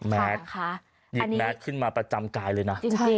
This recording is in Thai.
แม็กซ์ขึ้นมาประจำกายเลยนะ